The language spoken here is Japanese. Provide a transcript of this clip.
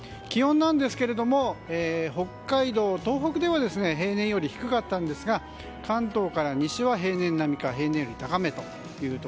気温ですが北海道、東北では平年より低かったんですが関東から西は平年並みか平年より高めと。